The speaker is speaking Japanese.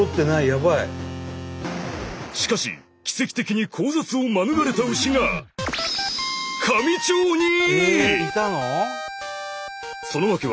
しかし奇跡的に交雑を免れた牛が香美町に！